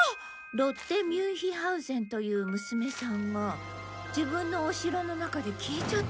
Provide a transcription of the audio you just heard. ロッテ・ミュンヒハウゼンという娘さんが自分のお城の中で消えちゃったんですって。